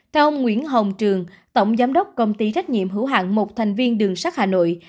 theo ông nguyễn hồng trường tổng giám đốc công ty trách nhiệm hữu hạng một thành viên đường sắt hà nội